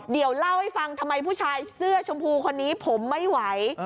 เดี๋ยวเล่าให้ฟังทำไมผู้ชายเสื้อชมพูคนนี้ผมไม่ไหว